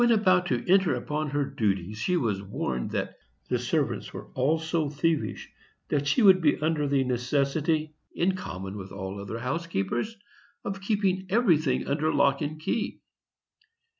When about to enter upon her duties, she was warned that the servants were all so thievish that she would be under the necessity, in common with all other housekeepers, of keeping everything under lock and key.